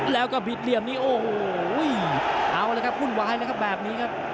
แล้วก็บิดเหลี่ยมนี้โอ้โหเอาละครับวุ่นวายเลยครับแบบนี้ครับ